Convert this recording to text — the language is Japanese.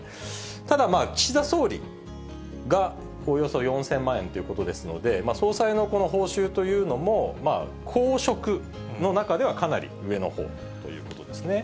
ただ、岸田総理がおよそ４０００万円ということですので、総裁の報酬というのも、公職の中ではかなり上のほうということですね。